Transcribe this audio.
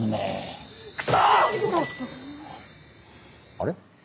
あれ？